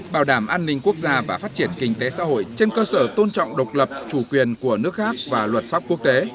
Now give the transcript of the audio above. bảo đảm an ninh quốc gia và phát triển kinh tế xã hội trên cơ sở tôn trọng độc lập chủ quyền của nước khác và luật pháp quốc tế